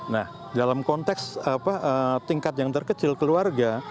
nah dalam konteks tingkat yang terkecil keluarga